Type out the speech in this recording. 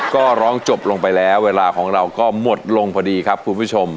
ก็ร้องจบลงไปแล้วเวลาของเราก็หมดลงพอดีครับคุณผู้ชม